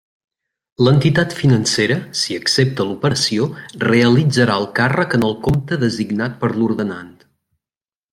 L'entitat financera, si accepta l'operació, realitzarà el càrrec en el compte designat per l'ordenant.